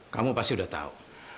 kamu pasti udah tahu